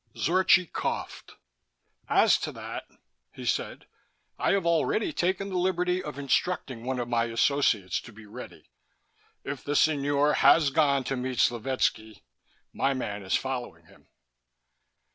Zorchi coughed. "As to that," he said, "I have already taken the liberty of instructing one of my associates to be ready. If the Signore has gone to meet Slovetski, my man is following him...."